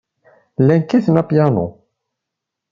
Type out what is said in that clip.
Llant kkatent apyanu.